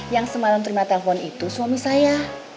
yang semalam terima telepon itu suami saya